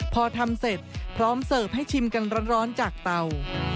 พอทำเสร็จพร้อมเสิร์ฟให้ชิมกันร้อนจากเตา